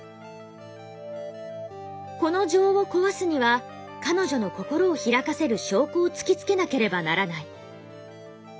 この錠を壊すには彼女の心を開かせる証拠をつきつけなければならない。